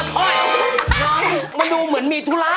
น้องมันมีมีตัวเหมือนมีธุระ